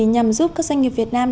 nhằm giúp các doanh nghiệp việt nam